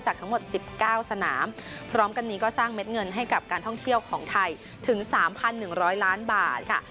ทั้งหมด๑๙สนามพร้อมกันนี้ก็สร้างเม็ดเงินให้กับการท่องเที่ยวของไทยถึง๓๑๐๐ล้านบาทค่ะ